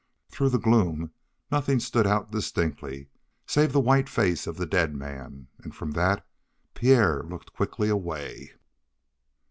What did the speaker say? Through the gloom nothing stood out distinctly save the white face of the dead man, and from that Pierre looked quickly away.